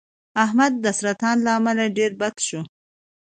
احمد د سرطان له امله ډېر بته شو.